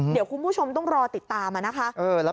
เดี๋ยวคุณผู้ชมต้องรอติดตามนะคะ